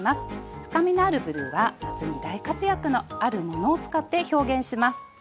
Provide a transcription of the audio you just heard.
深みのあるブルーは夏に大活躍のあるものを使って表現します。